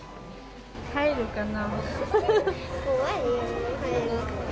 入るかな。